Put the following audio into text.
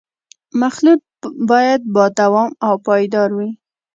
مخلوط باید با دوام او پایدار وي